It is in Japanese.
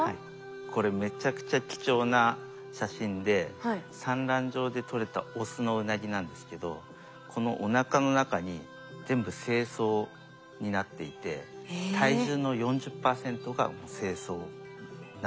これめちゃくちゃ貴重な写真で産卵場でとれたオスのウナギなんですけどこのおなかの中に全部精巣になっていて体重の４０％が精巣になってるんです。